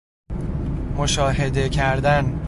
مشاهده کردن